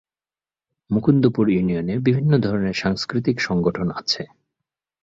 মুকুন্দপুর ইউনিয়নে বিভিন্ন ধরনের সাংস্কৃতিক সংগঠন আছে।